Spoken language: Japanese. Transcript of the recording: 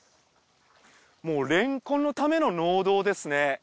もうれんこんのための農道ですね。